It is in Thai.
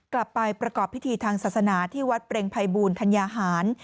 กลับไปประกอบพิธีทางศาสนาที่วัดเปรงภัยบูลธัญญาหาร